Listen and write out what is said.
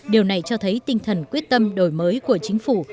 điều này cho thấy tinh thần quyết tâm đổi mới của chính phủ